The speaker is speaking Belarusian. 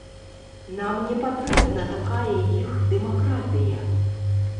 Нам не патрэбна такая іх дэмакратыя.